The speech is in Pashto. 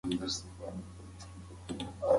آیا دا کیسه ستا په ژوند کې کوم بدلون راوستی شي؟